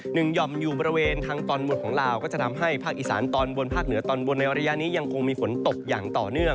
หย่อมอยู่บริเวณทางตอนบนของลาวก็จะทำให้ภาคอีสานตอนบนภาคเหนือตอนบนในระยะนี้ยังคงมีฝนตกอย่างต่อเนื่อง